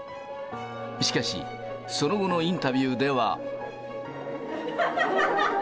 しかし、その後のインタビューでは。